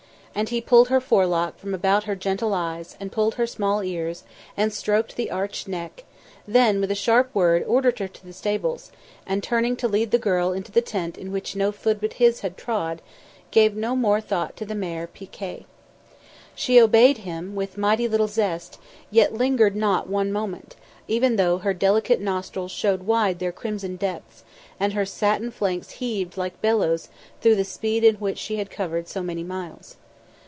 And he pulled her forelock from about her gentle eyes and pulled her small ears, and stroked the arched neck; then with a sharp word ordered her to her stables, and, turning to lead the girl into the tent in which no foot but his had trod, gave no more thought to the mare Pi Kay. She obeyed him, with mighty little zest, yet lingering not one moment, even though her delicate nostrils showed wide their crimson depths, and her satin flanks heaved like bellows through the speed in which she had covered so many miles.